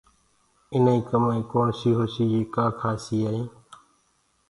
اينآئيٚ ڪمآئيٚ ڪوڻسيٚ هوسيٚ يي ڪآ کآسي ائينٚ